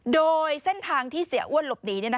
โดยเส้นทางที่เสียอ้วนหลบหนี